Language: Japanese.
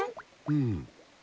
うん。